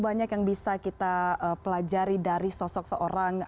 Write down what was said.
banyak yang bisa kita pelajari dari sosok seorang